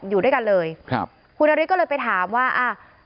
อยู่ด้วยกันเลยครับคุณนฤทธิก็เลยไปถามว่าอ่ะ